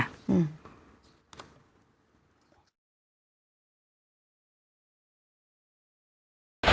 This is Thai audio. อืม